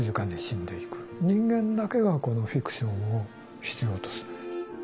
人間だけがこのフィクションを必要とする。